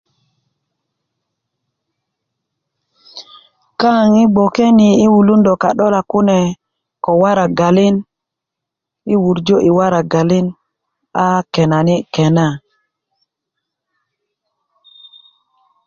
kaaŋ yi gboke ni yi' wulundö ka'dolak kune ko waragalin yi wurjo waragalin a kenani' kena